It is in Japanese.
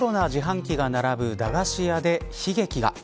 レトロな自販機が並ぶ駄菓子屋で悲劇が。